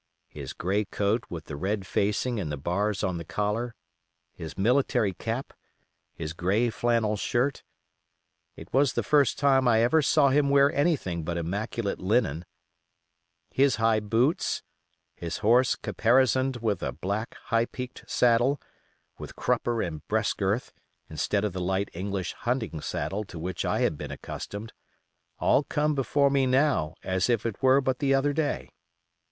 His gray coat with the red facing and the bars on the collar; his military cap; his gray flannel shirt—it was the first time I ever saw him wear anything but immaculate linen—his high boots; his horse caparisoned with a black, high peaked saddle, with crupper and breast girth, instead of the light English hunting saddle to which I had been accustomed, all come before me now as if it were but the other day.